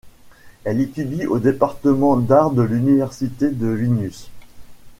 Elle étudie au département d'art de l'Université de Vilnius.